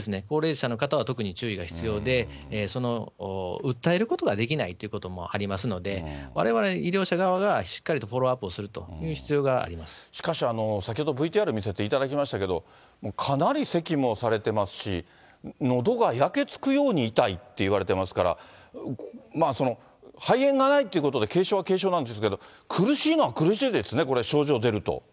高齢者の方は特に注意が必要で、訴えることができないということもありますので、われわれ医療者側がしっかりとフォローアップをするという必要がしかし、先ほどＶＴＲ見せていただきましたけど、もうかなり、せきもされてますし、のどが焼け付くように痛いって言われてますから、肺炎がないということで、軽症は軽症なんですけれども、苦しいのは苦しいですね、これ、症状出ると。